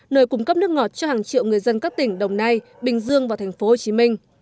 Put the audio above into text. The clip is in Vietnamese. nơi cung cấp nước ngọt cho hàng triệu người dân các tỉnh đồng nai bình dương và tp hcm